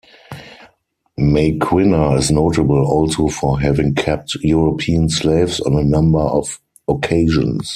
Maquinna is notable also for having kept European slaves on a number of occasions.